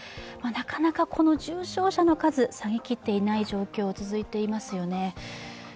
なかなか、重症者の数下げきっていない状況が続いています。